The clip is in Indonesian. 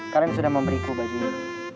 kalian sudah memberiku baju ini